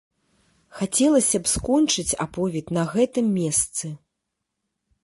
Хацелася б скончыць аповед на гэтым месцы.